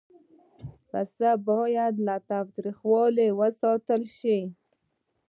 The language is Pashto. پسه باید له تاوتریخوالي وساتل شي.